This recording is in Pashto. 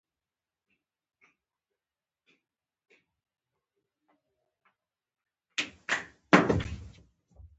یو ښه فلم د زړه حافظه تازه کوي.